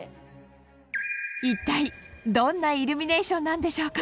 一体どんなイルミネーションなんでしょうか？